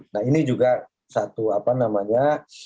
nah ini juga satu apa namanya